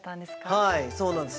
はいそうなんです。